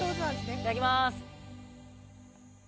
いただきます。